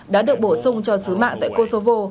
đã được bổ sung cho sứ mạng tại kosovo